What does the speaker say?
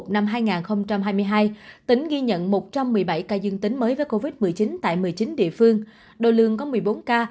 năm hai nghìn hai mươi hai tỉnh ghi nhận một trăm một mươi bảy ca dương tính mới với covid một mươi chín tại một mươi chín địa phương đồ lương có một mươi bốn ca